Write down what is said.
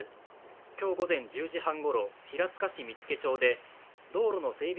今日午前１０時半ごろ、平塚市見附町で道路の整備